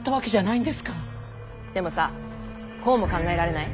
でもさぁこうも考えられない？